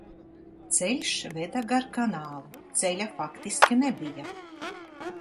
Ceļš veda gar kanālu, ceļa faktiski nebija.